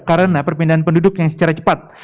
karena perpindahan penduduk yang secara cepat